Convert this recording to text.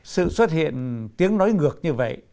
sự xuất hiện tiếng nói ngược như vậy